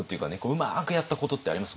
うまくやったことってあります？